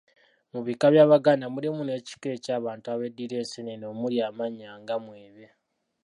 Mu bika by'Abaganda mulimu n'ekika eky'abantu ab'eddira enseenene omuli amannya nga Mwebe.